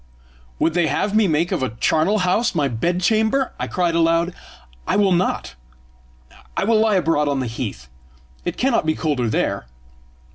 "Would they have me make of a charnel house my bed chamber?" I cried aloud. "I will not. I will lie abroad on the heath; it cannot be colder there!"